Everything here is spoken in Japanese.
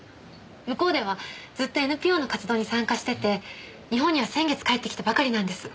向こうではずっとＮＰＯの活動に参加してて日本には先月帰ってきたばかりなんです。